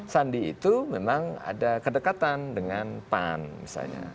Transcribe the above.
sandi itu memang ada kedekatan dengan pan misalnya